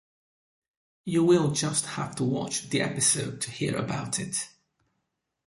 You will just have to watch the episode to hear about it.